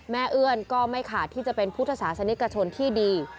เอื้อนก็ไม่ขาดที่จะเป็นพุทธศาสนิกชนที่ดี